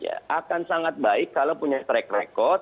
akan sangat baik kalau punya track record